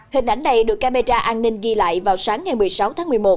hình ảnh này được camera an ninh ghi lại vào sáng ngày một mươi sáu tháng một mươi một